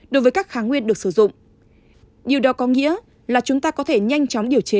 đối với các kháng nguyên được sử dụng điều đó có nghĩa là chúng ta có thể nhanh chóng điều chế